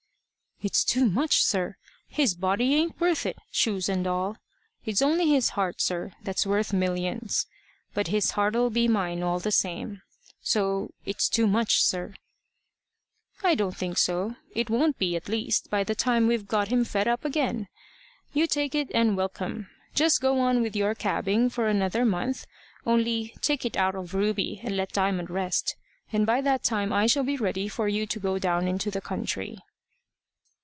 "It's too much, sir. His body ain't worth it shoes and all. It's only his heart, sir that's worth millions but his heart'll be mine all the same so it's too much, sir." "I don't think so. It won't be, at least, by the time we've got him fed up again. You take it and welcome. Just go on with your cabbing for another month, only take it out of Ruby and let Diamond rest; and by that time I shall be ready for you to go down into the country."